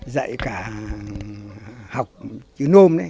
dạy cả học chữ nôm này